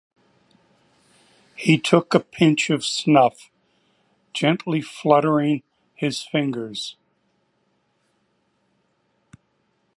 He took a pinch of snuff, gently fluttering his fingers.